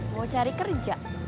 mau cari kerja